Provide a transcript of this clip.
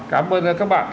cảm ơn các bạn